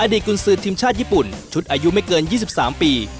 เด็กกุญสือทีมชาติญี่ปุ่นชุดอายุไม่เกิน๒๓ปี